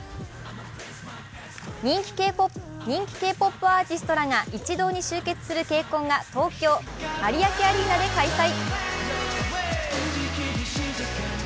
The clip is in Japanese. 人気Ｋ−ＰＯＰアーティストらが一堂に集結するＫＣＯＮが東京・有明アリーナで開催。